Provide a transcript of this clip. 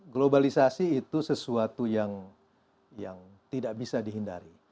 globalisasi itu sesuatu yang tidak bisa dihindari